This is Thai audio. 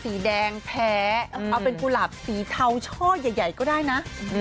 สีแดงแพ้เอาเป็นกุหลาบสีเทาช่อใหญ่ก็ได้นะ